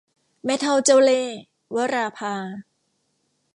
แม่เฒ่าเจ้าเล่ห์ - วราภา